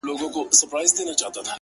ه زه تر دې کلامه پوري پاته نه سوم ـ